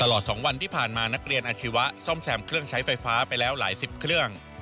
ตลอด๒วันที่ผ่านมานักเรียนอาชีวะซ่อมแซมเครื่องใช้ไฟฟ้าไปแล้วหลายสิบเครื่อง